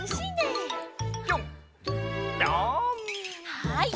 はい。